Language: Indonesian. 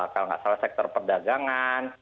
kalau nggak salah sektor perdagangan